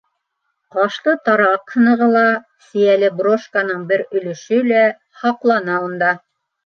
Ҡашлы тараҡ һынығы ла, сейәле брошканың бер өлөшө лә һаҡлана унда.